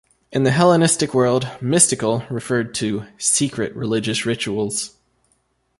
In the Hellenistic world, 'mystical' referred to "secret" religious rituals.